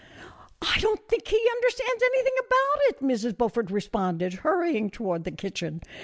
" I don't think he understands anything about it," Mrs. Beaufort responded, hurrying toward the kitchen.